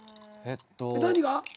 何が？